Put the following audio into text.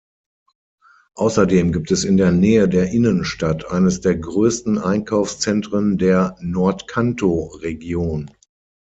Außerdem gibt es in der Nähe der Innenstadt eines der größten Einkaufszentren der Nordkanto-Region.